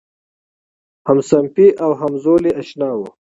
همصنفي او همزولی آشنا و.